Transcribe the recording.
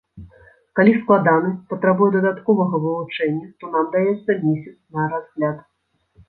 Калі складаны, патрабуе дадатковага вывучэння, то нам даецца месяц на разгляд.